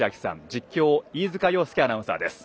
実況、飯塚洋介アナウンサーです。